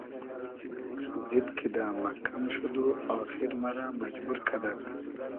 زید کیدۂ مئکئم شود و آخیر مئرۂ مئجبور کئدئگ